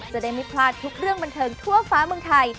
จะได้ไม่พลาดทุกเรื่องบันเทิงทั่วฟ้าเมืองไทย